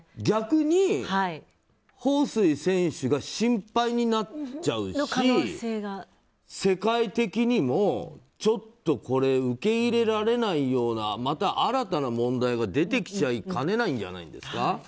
逆に、ホウ・スイ選手が心配になっちゃうし世界的にも、ちょっとこれ受け入れられないようなまた新たな問題が出てきかねないんじゃないですか。